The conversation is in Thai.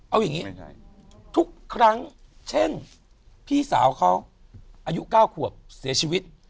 เอาอย่างนี้ทุกครั้งเช่นพี่สาวเขาอายุ๙ขวบเสียชีวิต